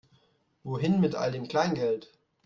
Wohin mit all dem Kleingeld?